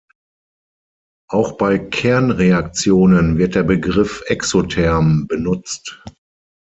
Auch bei Kernreaktionen wird der Begriff exotherm benutzt.